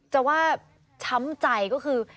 จะว่าช้ำใจก็คือ